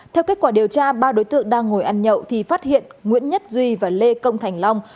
theo kết quả điều tra ba đối tượng đang ngồi ăn nhậu thì phát hiện nguyễn nhất duy và lê công thành long